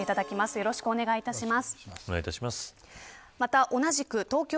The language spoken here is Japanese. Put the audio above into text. よろしくお願いします。